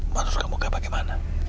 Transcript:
menurut kamu kayak bagaimana